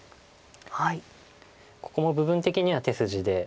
ここも部分的には手筋で。